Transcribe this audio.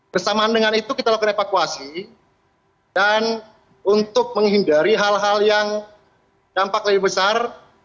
bersamaan dengan itu kita lakukan evakuasi dan untuk menghindari hal hal yang dampak lebih besar